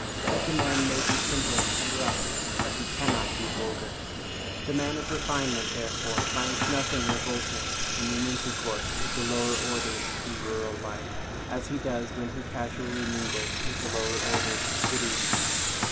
Such a man may be simple and rough, but he cannot be vulgar. The man of refinement, therefore, finds nothing revolting in an intercourse with the lower orders in rural life, as he does when he casually mingles with the lower orders of cities.